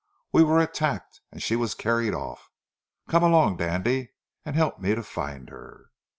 We were attacked and she was carried off. Come along, Dandy, and help me to find her."